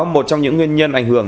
một trong những nguyên nhân ảnh hưởng